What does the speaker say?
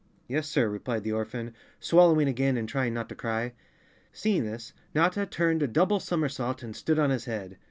" "Yes, sir," replied the orphan, swallowing again and trying not to cry. Seeing this, Notta turned a double somersault and stood on his head.